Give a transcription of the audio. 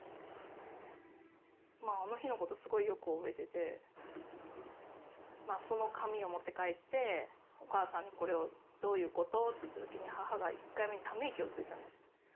あの日のことすごいよく覚えててその紙を持って帰ってお母さんに「これどういうこと？」って言った時に母が１回ため息をついたんです。